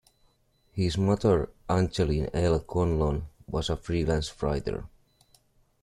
His mother, Angeline L. Conlon, was a freelance writer.